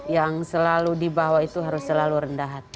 yang selalu dibawa itu harus selalu rendah hati